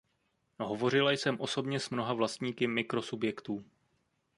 Hovořila jsem osobně s mnoha vlastníky mikrosubjektů.